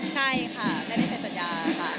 ใช่ค่ะไม่ได้เซ็นสัญญาค่ะ